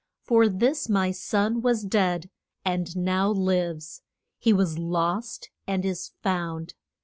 For this my son was dead, and now lives; he was lost and is found.